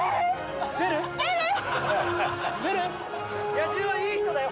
野獣はいい人だよ